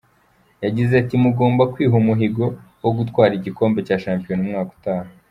Yagize ati “Mugomba kwiha umuhigo wo gutwara igikombe cya shampiyona umwaka utaha.